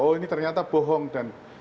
oh ini ternyata bohong dan